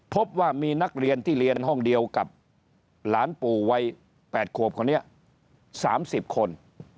พบว่ามีนักเรียนที่เรียนห้องเดียวกับหลานปู่วัย๘ขวบคนนี้๓๐คน